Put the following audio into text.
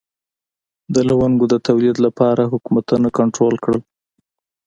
د لونګو د تولید لپاره حکومتونه کنټرول کړل.